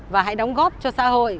và hãy đóng góp cho xã hội